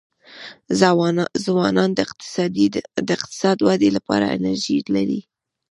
ځوانان د اقتصاد د ودي لپاره انرژي لري.